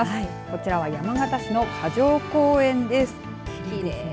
こちらは山形市の霞城公園です。